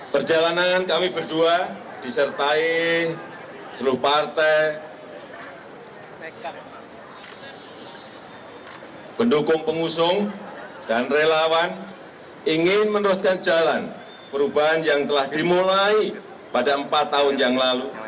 perjalanan kami berdua disertai seluruh partai pendukung pengusung dan relawan ingin meneruskan jalan perubahan yang telah dimulai pada empat tahun yang lalu